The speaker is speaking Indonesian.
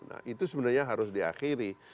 nah itu sebenarnya harus diakhiri